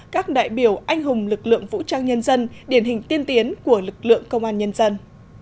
các đại biểu anh hùng lực lượng vũ trang nhân dân điển hình tiên tiến của lực lượng công an nhân dân